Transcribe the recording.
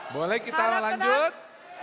boleh kita lanjut